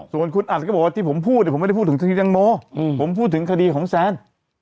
ส่วนคุณอัดก็บอกว่าที่ผมพูดเนี่ยผมไม่ได้พูดถึงคดีแตงโมผมพูดถึงคดีของแซน